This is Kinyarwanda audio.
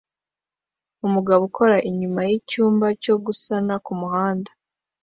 Umugabo ukora inyuma yicyumba cyo gusana kumuhanda